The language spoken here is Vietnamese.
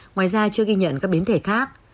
ngoài ra chưa ghi nhận các biến thể khác